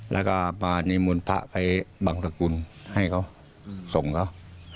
แล้วก็มานิมนต์พระไปบังสกุลให้เขาส่งเขา